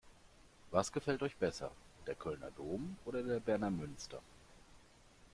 Was gefällt euch besser: Der Kölner Dom oder der Berner Münster?